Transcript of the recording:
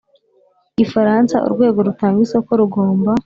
Gifaransa urwego rutanga isoko rugomba